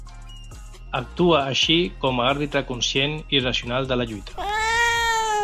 Actua així com a àrbitre conscient i racional de la lluita.